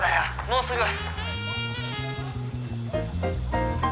もうすぐ。